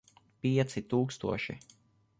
Pieci tūkstoši.